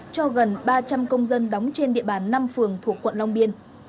cho gần ba trăm linh công dân đóng trên địa bàn năm phường thuộc quận long biên